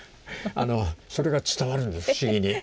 それが伝わるんです不思議に。